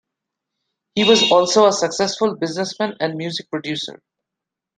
He was also a successful businessman and music producer.